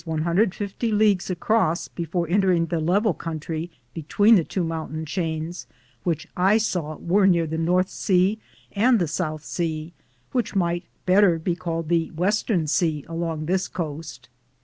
am Google THE JOURNEY OF CORONADO tains, since it is 150 leagues across before entering the level country between the two mountain chains which I said were near the North sea and the South sea, which might better be called the Western sea along this coast.